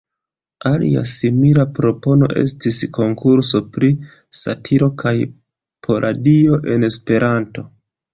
Alia simila propono estis konkurso pri satiro kaj parodio en Esperanto.